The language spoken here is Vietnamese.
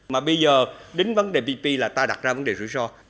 mà bây giờ đến vấn đề ppp là ta đặt ra vấn đề rủi ro